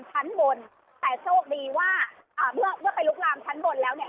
แต่โชคดีว่าเมื่อไปลุกรามชั้นบนแล้วเนี่ย